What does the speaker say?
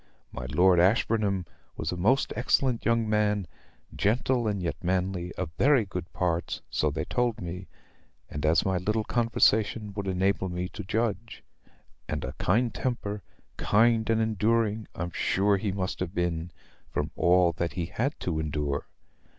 My Lord Ashburnham was a most excellent young man, gentle and yet manly, of very good parts, so they told me, and as my little conversation would enable me to judge: and a kind temper kind and enduring I'm sure he must have been, from all that he had to endure.